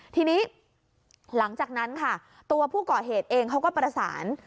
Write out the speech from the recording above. ทีนี้หลังจากนั้นค่ะตัวผู้ก่อเหตุเองเขาก็ประสาน